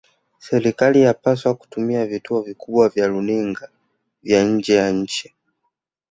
serikali inapaswa kutumia vituo vikubwa vya runinga vya nje ya nchi